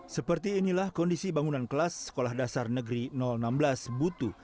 seperti inilah kondisi bangunan kelas sekolah dasar negeri enam belas butu